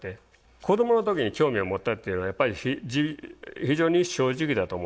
子どもの時に興味を持ったっていうのはやっぱり非常に正直だと思うんですよ。